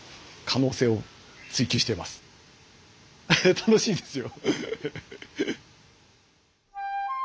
楽しいですよ。